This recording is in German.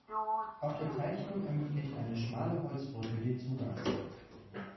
Auf der Zeichnung ermöglicht eine schmale Holzbrücke den Zugang.